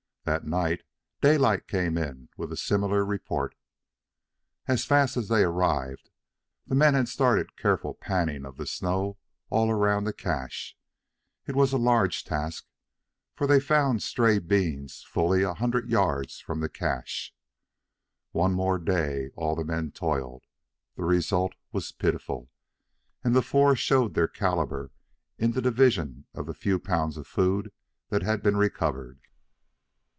That night Daylight came in with a similar report. As fast as they arrived, the men had started careful panning of the snow all around the cache. It was a large task, for they found stray beans fully a hundred yards from the cache. One more day all the men toiled. The result was pitiful, and the four showed their caliber in the division of the few pounds of food that had been recovered.